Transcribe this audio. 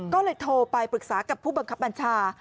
ก็เลยโทรไปปรึกษากับผู้บังคับบัญชา